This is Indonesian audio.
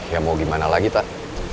ya mau gimana lagi tak